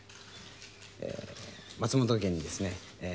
松本家にですね